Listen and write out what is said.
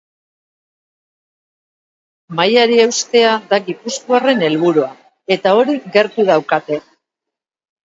Mailari eustea da gipuzkoarren helburua, eta hori gertu daukate.